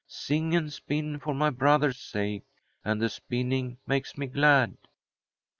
Sing and spin for my brother's sake, And the spinning makes me glad."